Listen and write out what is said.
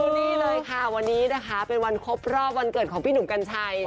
นี่เลยค่ะวันนี้นะคะเป็นวันครบรอบวันเกิดของพี่หนุ่มกัญชัย